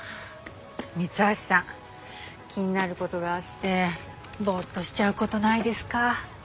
三橋さん気になることがあってぼーっとしちゃうことないですか？